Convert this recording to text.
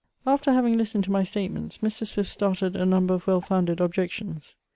After having listened to my statements, Mr. Swift started a number of well founded objections.